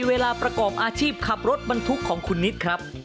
เวลาประกอบอาชีพขับรถบรรทุกของคุณนิดครับ